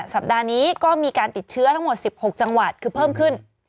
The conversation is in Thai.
สัปดาห์นี้ก็มีการติดเชื้อทั้งหมด๑๖จังหวัดคือเพิ่มขึ้น